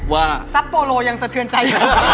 ว่าซับโปโลยังสะเทือนใจ